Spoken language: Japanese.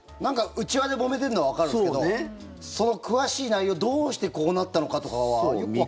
内輪でもめてるのはわかるんですけどその詳しい内容どうしてこうなったのかとかはよくわかんないです。